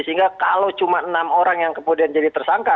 sehingga kalau cuma enam orang yang kemudian jadi tersangka